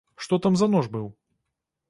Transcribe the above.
Што там за нож быў?